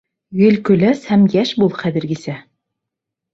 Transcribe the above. Гел көләс һәм йәш бул хәҙергесә!